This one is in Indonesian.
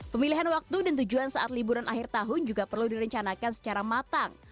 pemilihan waktu dan tujuan saat liburan akhir tahun juga perlu direncanakan secara matang